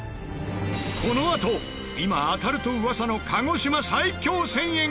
このあと今当たると噂の鹿児島最強１０００円ガチャで。